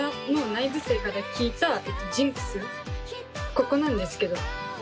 ここなんですけど。